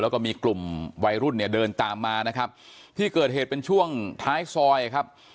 แล้วก็มีกลุ่มวัยรุ่นเนี่ยเดินตามมานะครับที่เกิดเหตุเป็นช่วงท้ายซอยครับ